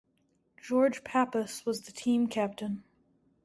George Pappas was the team captain.